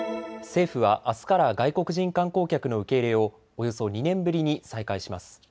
政府はあすから外国人観光客の受け入れをおよそ２年ぶりに再開します。